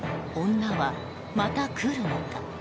女は、また来るのか。